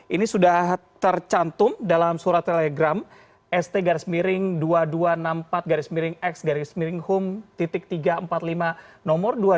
ini sudah tercantum dalam surat telegram st dua ribu dua ratus enam puluh empat x hum tiga ratus empat puluh lima nomor dua puluh dua